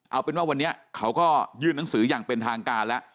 เอาเป็นว่าวันนี้เขาก็ยื่นหนังสืออย่างเป็นทางการแล้ว